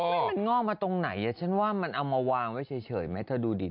มันงอกมาตรงไหนฉันว่ามันเอามาวางไว้เฉยไหมเธอดูดิ